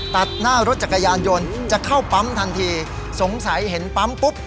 ตัดหน้ารถจักรยานยนต์จะเข้าปั๊มทันทีสงสัยเห็นปั๊มปุ๊บ